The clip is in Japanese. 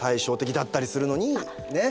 ねっ。